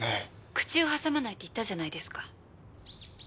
口を挟まないって言ったじゃないですか。